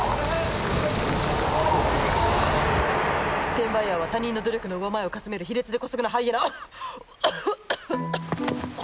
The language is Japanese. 転売ヤーは他人の努力の上前をかすめる卑劣で姑息なハイエナ。